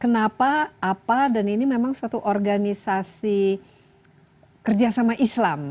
kenapa apa dan ini memang suatu organisasi kerjasama islam